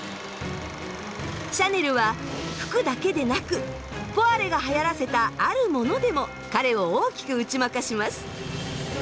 シャネルは服だけでなくポワレがはやらせたあるモノでも彼を大きく打ち負かします。